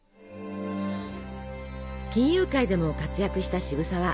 金融界でも活躍した渋沢。